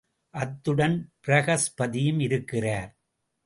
அத்துடன் பிரகஸ்பதியும் இருக்கிறார்.